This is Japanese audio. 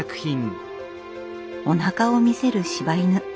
おなかを見せる柴犬。